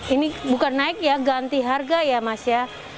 ini bukan naik ya ganti harga ya mas ya